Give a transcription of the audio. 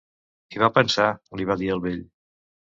"Hi va pensar", li va dir el vell.